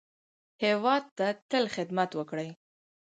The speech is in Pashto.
هېواد ته تل خدمت وکړئ